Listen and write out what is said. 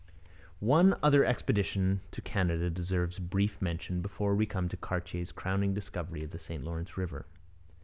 One other expedition to Canada deserves brief mention before we come to Cartier's crowning discovery of the St Lawrence river.